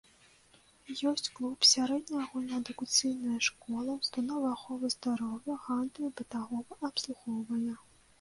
Ёсць клуб, сярэдняя агульнаадукацыйная школа, установы аховы здароўя, гандлю і бытавога абслугоўвання.